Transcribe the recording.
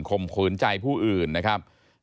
มขืนใจผู้อื่นนะครับ